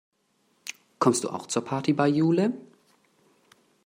Kommst du auch zur Party bei Jule?